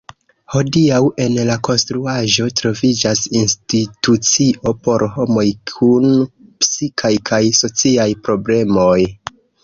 Hodiaŭ en la konstruaĵo troviĝas institucio por homoj kun psikaj kaj sociaj problemoj.